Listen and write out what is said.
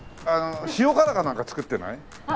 塩辛かなんか作ってない？